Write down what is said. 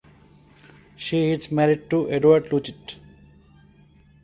She is married to Edward Lucht.